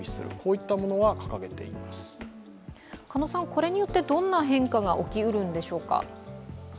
これによってどんな変化が起きうるんでしょうか？